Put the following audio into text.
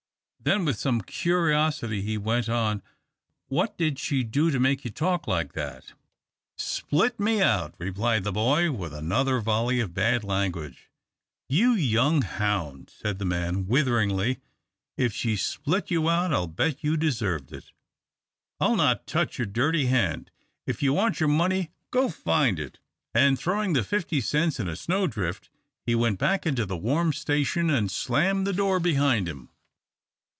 Then with some curiosity he went on, "What did she do to make you talk like that?" "Spilt me out," replied the boy, with another volley of bad language. "You young hound," said the man, witheringly, "if she spilt you out, I'll bet you deserved it. I'll not touch your dirty hand. If you want your money, go find it," and throwing the fifty cents in a snow drift, he went back into the warm station and slammed the door behind him.